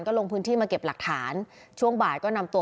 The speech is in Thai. ลงพื้นที่มาเก็บหลักฐานช่วงบ่ายก็นำตัว